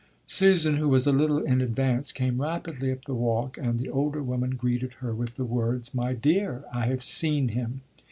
Susan, who was a little in advance, came rapidly up the walk, and the older woman greeted her with the words: "My dear, I have seen him!"